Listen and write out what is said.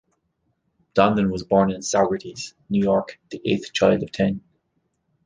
Donlon was born in Saugerties, New York, the eighth child of ten.